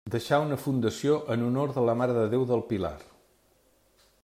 Deixà una fundació en honor de la Mare de Déu del Pilar.